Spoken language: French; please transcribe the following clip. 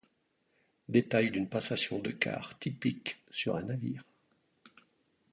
Détails d'une passation de quart typique sur un navire.